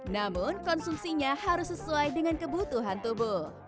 namun konsumsinya harus sesuai dengan kebutuhan tubuh